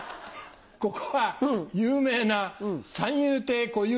ここは有名な三遊亭小遊三。